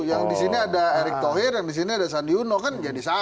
yang disini ada erick thohir yang disini ada sandi uno kan jadi salah gitu